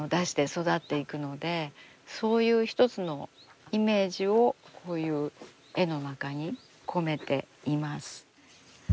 そういう一つのイメージをこういう絵の中に込めています。